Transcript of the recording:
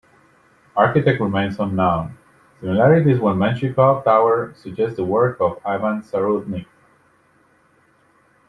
Architect remains unknown; similarities with Menshikov Tower suggest the work of Ivan Zarudny.